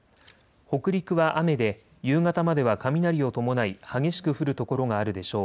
北陸は雨で夕方までは雷を伴い激しく降る所があるでしょう。